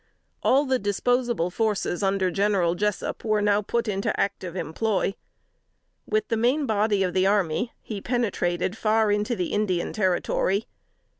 All the disposable forces under General Jessup were now put into active employ. With the main body of the army he penetrated far into the Indian territory.